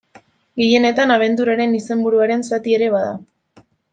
Gehienetan, abenturaren izenburuaren zati ere bada.